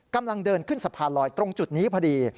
กำลังเดินขึ้นสะพานลอยตรงจุดนี้พอดี